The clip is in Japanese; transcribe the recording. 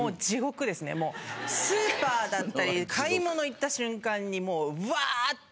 スーパーだったり買い物行った瞬間にもううわって。